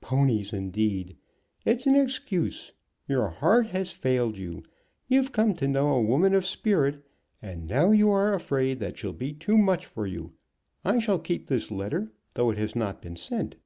Ponies, indeed! It's an excuse. Your heart has failed you. You've come to know a woman of spirit, and now you are afraid that she'll be too much for you. I shall keep this letter, though it has not been sent."